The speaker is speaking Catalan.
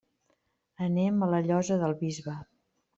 Anem a la Llosa del Bisbe.